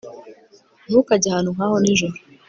Ntukajye ahantu nkaho nijoro